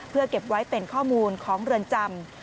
เพื่อเก็บไว้เป็นข้อมูลของเรือนจำ